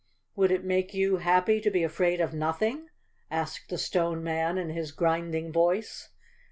"Would it make you happy to be afraid of nothing?" asked the Stone Man in his grinding voice.